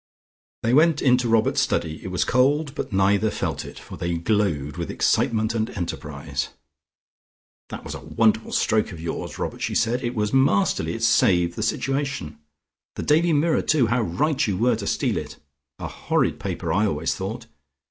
They went into Robert's study: it was cold, but neither felt it, for they glowed with excitement and enterprise. "That was a wonderful stroke of yours, Robert," said she. "It was masterly: it saved the situation. The 'Daily Mirror,' too: how right you were to steal it. A horrid paper I always thought.